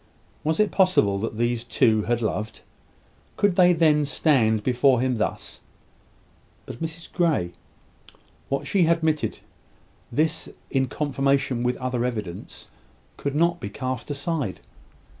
Was it possible that these two had loved? Could they then stand before him thus? But Mrs Grey what she admitted! this, in confirmation with other evidence, could not be cast aside.